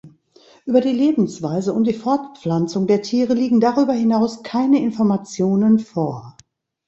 Über die Lebensweise und die Fortpflanzung der Tiere liegen darüber hinaus keine Informationen vor.